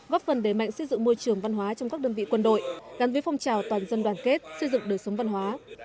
góp phần đề mạnh xây dựng môi trường văn hóa trong các đơn vị quân đội gắn với phong trào toàn dân đoàn kết xây dựng đời sống văn hóa